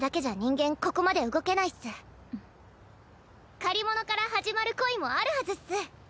借り物から始まる恋もあるはずっス。